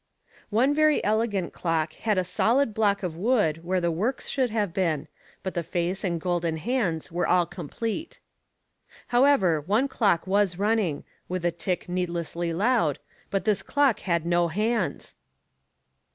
One very elegant clock had a solid block of wood where the works should have been, but the face and golden hands were all complete. However, one clock was running, with a tick needlessly loud, but this clock had no hands.